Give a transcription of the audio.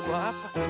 ini bau apa